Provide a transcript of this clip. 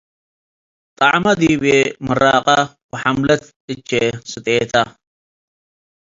“ጠዕመ ዲብዬ ምራቀ ወሐምለት እቼ ስጤተ